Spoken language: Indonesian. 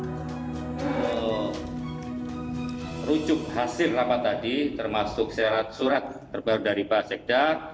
kita rujuk hasil rapat tadi termasuk surat terbaru dari pak sekda